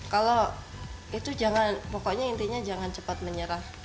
kalau itu jangan pokoknya intinya jangan cepat menyerah